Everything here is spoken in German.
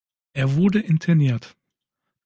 Er wurde interniert.